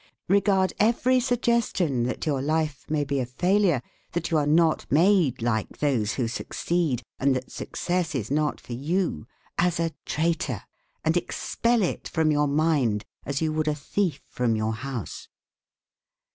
Regard every suggestion that your life may be a failure, that you are not made like those who succeed, and that success is not for you, as a traitor, and expel it from your mind as you would a thief from your house.